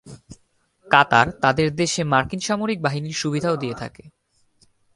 কাতার তাদের দেশে মার্কিন সামরিক বাহিনীর সুবিধাও দিয়ে থাকে।